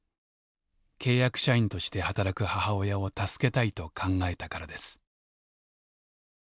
契約社員として働く母親を助けたいと考えたからです。